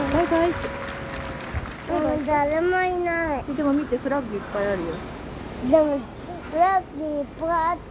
でも見てフラッグいっぱいあるよ。